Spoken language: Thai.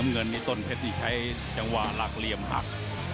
เงินนี่ต้นเพชรนี่ใช้จังหวะหลักเหลี่ยมหัก